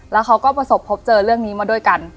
แล้วเขาก็ประสบพบเจอเรื่องนี้มาด้วยกัน